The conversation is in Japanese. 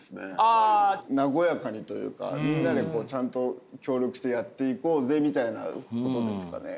和やかにというかみんなでこうちゃんと協力してやっていこうぜみたいなことですかね？